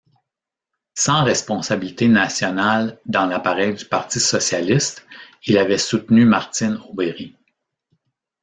Sans responsabilité nationale dans l'appareil du Parti socialiste, il avait soutenu Martine Aubry.